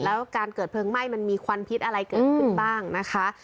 แล้วการเกิดเพลิงไหม้มันมีควันพิษอะไรเกิดขึ้นบ้างนะคะ